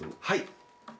はい。